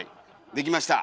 できました！